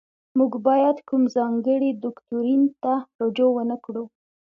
موږ باید کوم ځانګړي دوکتورین ته رجوع ونکړو.